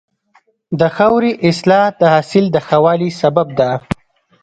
د خاورې اصلاح د حاصل د ښه والي سبب ده.